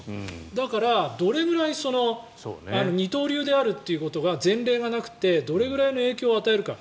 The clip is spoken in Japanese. だから、どれくらい二刀流であるということが前例がなくてどれぐらいの影響を与えるか。